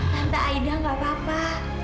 tante aida gak apa apa